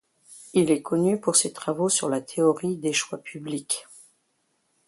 Il est connu pour ses travaux sur la théorie des choix publics.